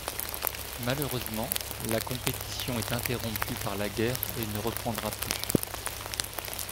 Malheureusement, la compétition est interrompue par la guerre et ne reprendra plus.